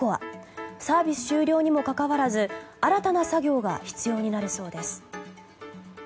サービス終了にもかかわらず新たな作業が必要になりそうです。